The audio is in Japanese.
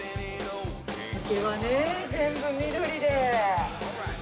抜けはね、全部緑で。